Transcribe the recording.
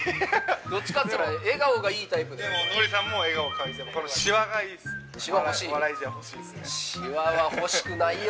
どっちかっつったら、笑顔がいいタイプだよ。